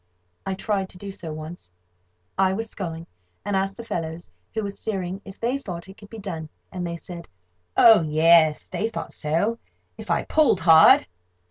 I tried to do so once. I was sculling, and asked the fellows who were steering if they thought it could be done, and they said, oh, yes, they thought so, if I pulled hard.